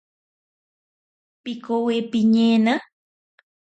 Pikowi piñena.